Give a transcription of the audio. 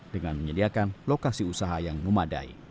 dengan menyediakan lokasi usaha yang memadai